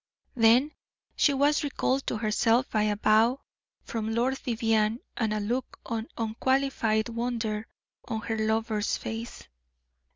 Then she was recalled to herself by a bow from Lord Vivianne and a look of unqualified wonder on her lover's face.